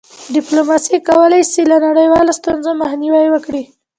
ډيپلوماسي کولی سي له نړیوالو ستونزو مخنیوی وکړي.